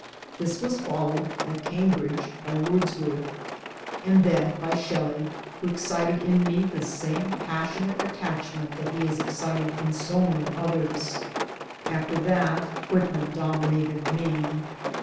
This was followed (at Cambridge) by Wordsworth ; and then by Shelley, who excited in me the same passionate attachment that he has excited in so many others. After that Whitman dominated me.